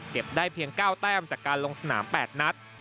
ได้เพียง๙แต้มจากการลงสนาม๘นัด